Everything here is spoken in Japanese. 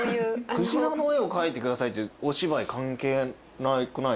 「クジラの絵を描いてください」ってお芝居関係なくないですか？